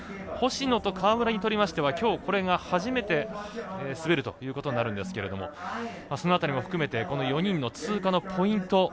星野と川村にとってはきょう、これが初めて滑るということになるんですがその辺りも含めて４人の通過のポイント